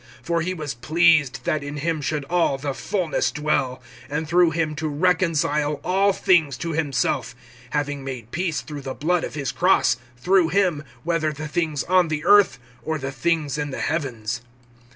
(19)For He was pleased, that in him should all the fullness dwell; (20)and through him to reconcile all things to himself, having made peace through the blood of his cross; through him, whether the things on the earth, or the things in the heavens.